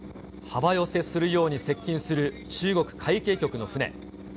幅寄せするように接近する中国海警局の船。